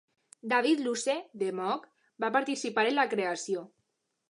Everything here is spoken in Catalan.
David Luce, de Moog, va participar en la creació.